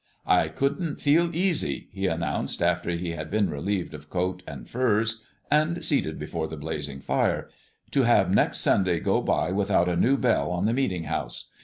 "I couldn't feel easy," he announced, after he had been relieved of coat and furs, and seated before the blazing fire, "to have next Sunday go by without a new bell on the meeting house.